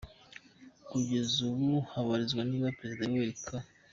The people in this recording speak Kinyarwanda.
Kugeza ubu haribazwa niba Perezida Yoweri K.